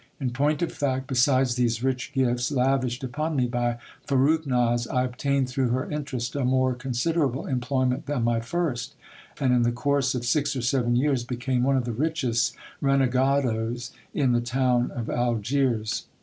In point of fact, besides these rich gifts, lavished upon me by Farrukhnaz, I obtained through her interest a more considerable employment than my first, and in the course of six or seven years became one of the richest renegadoes in the town of Algiers.